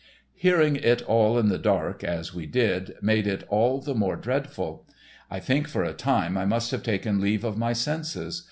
Hearing it all in the dark, as we did, made it all the more dreadful. I think for a time I must have taken leave of my senses.